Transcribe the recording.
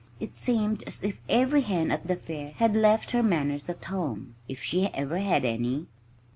It seemed as if every hen at the fair had left her manners at home if she ever had any.